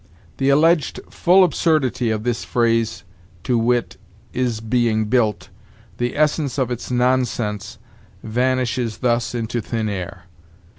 The alleged 'full absurdity of this phrase,' to wit, is being built, 'the essence of its nonsense,' vanishes thus into thin air.